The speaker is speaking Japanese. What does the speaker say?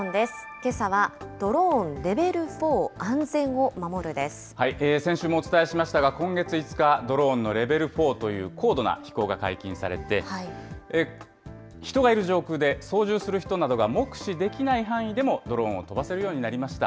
けさは、先週もお伝えしましたが、今月５日、ドローンのレベル４という高度な飛行が解禁されて、人がいる上空で、操縦する人などが目視できない範囲でもドローンを飛ばせるようになりました。